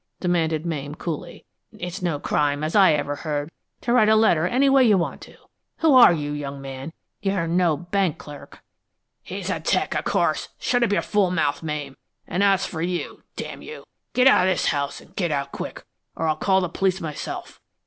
demanded Mame, coolly. "It's no crime, as I ever heard, to write a letter any way you want to. Who are you, young man? You're no bank clerk!" "He's a 'tec, of course! Shut up your fool mouth, Mame. An' as for you, d n you, get out of this house, an' get out quick, or I'll call the police myself!